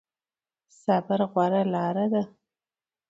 صبر غوره لاره ده